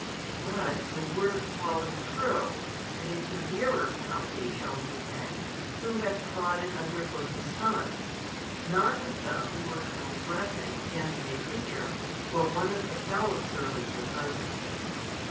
But the word of Paul is true; and a severer penalty shall he pay who hath trodden under foot the Son, not as though he were transgressing against a creature, or one of the fellow servants of Moses.